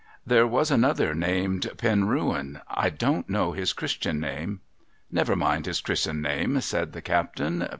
' There was another named Penrewcn, I don't know his Christian name.* ' Never mind his Chris'iMi name,' said the captain.